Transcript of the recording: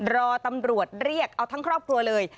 รอตำรวจเรียกเอาทั้งครอบครัวเลย